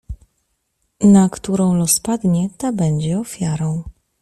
"Na którą los padnie, ta będzie ofiarą."